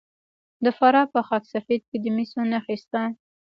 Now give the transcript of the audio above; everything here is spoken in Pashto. د فراه په خاک سفید کې د مسو نښې شته.